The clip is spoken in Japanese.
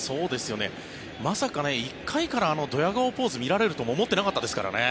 まさか１回からあのドヤ顔ポーズ見られるとも思ってなかったですからね。